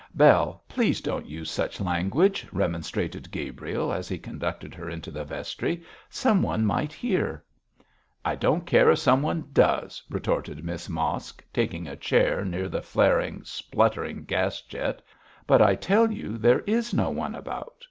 'Bell, please, don't use such language,' remonstrated Gabriel, as he conducted her into the vestry; 'someone might hear.' 'I don't care if someone does,' retorted Miss Mosk, taking a chair near the flaring, spluttering gas jet, 'but I tell you there is no one about.